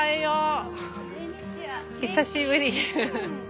久しぶり。